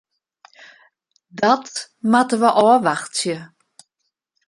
Dat moatte we ôfwachtsje.